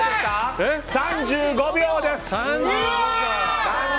３５秒です！